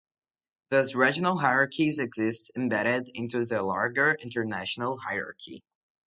Thus regional hierarchies exist embedded into the larger international hierarchy.